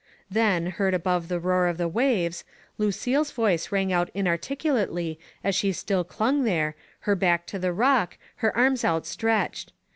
Then, heard above the roar of the waves, Lu cille's voice rang out inarticulately as she still clung there, her back to the rock, her arms out stretched.